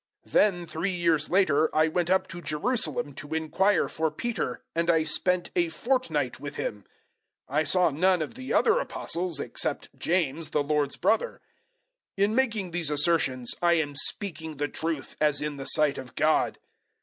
001:018 Then, three years later, I went up to Jerusalem to inquire for Peter, and I spent a fortnight with him. 001:019 I saw none of the other Apostles, except James, the Lord's brother. 001:020 In making these assertions I am speaking the truth, as in the sight of God.